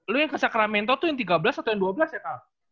lo yang ke sacramento tuh yang tiga belas atau yang dua belas ya kak